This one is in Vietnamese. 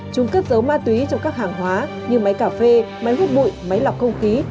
chúng cất dấu ma túy cho các hàng hóa như máy cà phê máy hút bụi máy lọc không khí